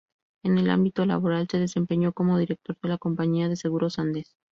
En el ámbito laboral se desempeñó como director de la Compañía de Seguros Andes.